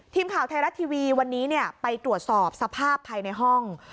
ทีมข่าวไทยรัฐทีวีวันนี้ไปตรวจสอบสภาพภายในห้อง